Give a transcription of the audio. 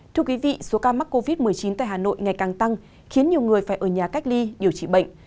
thưa quý vị số ca mắc covid một mươi chín tại hà nội ngày càng tăng khiến nhiều người phải ở nhà cách ly điều trị bệnh